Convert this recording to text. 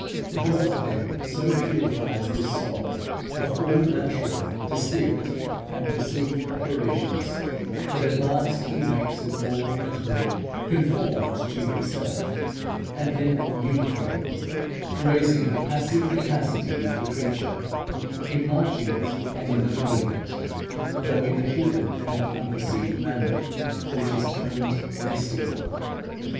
God then so purifies this soul of all natural, distinct, and perceived operations, that at last He makes it more and more conformed to Himself, and then uniform, raising the passive capacity of the creature, enlarging it and ennobling it, though in a hidden and unperceived manner, which is termed mystical.